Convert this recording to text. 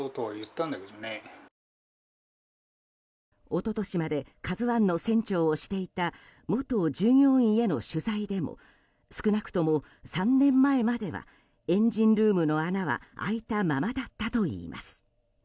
一昨年まで「ＫＡＺＵ１」の船長をしていた元従業員への取材でも少なくとも３年前まではエンジンルームの穴は開いたままだったといいます。